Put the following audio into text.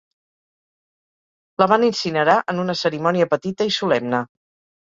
La van incinerar en una cerimònia petita i solemne.